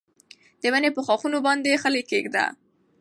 د ونې په ښاخونو باندې خلی کېږده.